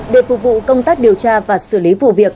để phục vụ công tác điều tra và xử lý vụ việc